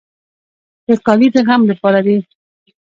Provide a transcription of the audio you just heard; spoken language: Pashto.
تور کالي د غم لپاره دي.